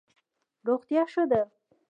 روغتیا ښه ده.